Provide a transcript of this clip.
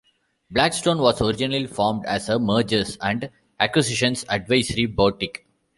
Blackstone was originally formed as a mergers and acquisitions advisory boutique.